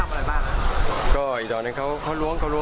อันนี้มันหากินได้เป็นทีมเราระวังอยู่แล้ว